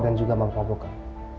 dan juga mengkabukkan